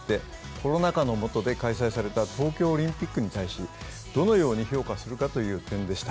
コロナ禍のもとで開催された東京オリンピックに対しどのように評価するかという点でした。